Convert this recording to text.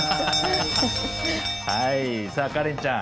はいさあカレンちゃん